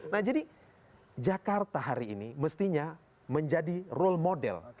nah jadi jakarta hari ini mestinya menjadi role model